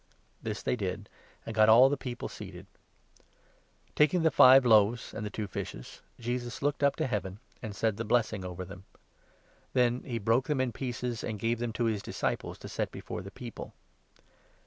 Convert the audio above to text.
This they did, and got all the people seated. Taking 15, i the five loaves and the two fishes, Jesus looked up to Heaven and said the blessing over them. Then he broke them in pieces, and gave them to his disciples to set before the people.